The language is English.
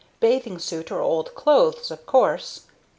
Bathing suit or old clothes, of course.